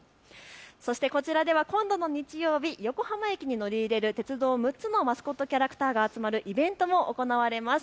そしてこちらでは今度の日曜日に横浜駅に乗り入れる鉄道６つのマスコットキャラクターが集まるイベントも行われます。